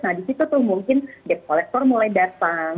nah di situ tuh mungkin debt collector mulai datang